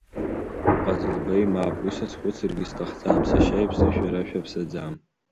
Ҟазылбеи мап, уи сазхәыцыргьы сҭахӡам, сашьа иԥсы шәара шәаԥсаӡам.